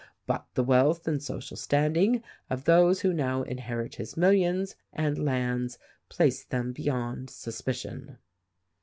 But the wealth and social standing of those who' now inherit his millions and lands place them beyond suspicion."